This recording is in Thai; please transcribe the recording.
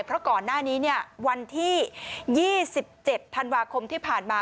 เพราะก่อนหน้านี้วันที่๒๗ธันวาคมที่ผ่านมา